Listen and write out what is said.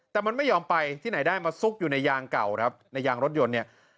แต่มันไม่ยอมไปที่ไหนได้มาซุกอยู่ในยางเก่าครับในยางรถยนต์เนี่ย